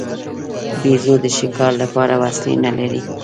بیزو د ښکار لپاره وسلې نه لري.